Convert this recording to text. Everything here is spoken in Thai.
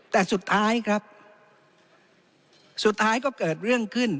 แต่สุดท้ายครับสุดท้ายก็เกิดเรื่องขึ้น